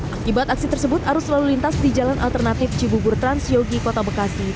akibat aksi tersebut arus lalu lintas di jalan alternatif cibugur trans yogi kota bekasi